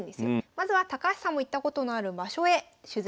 まずは高橋さんも行ったことのある場所へ取材に参りました。